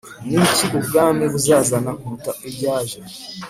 Ni ki Ubwami buzazana kuruta ibyaje